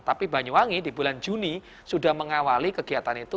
tapi banyuwangi di bulan juni sudah mengawali kegiatan itu